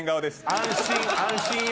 安心安心よ。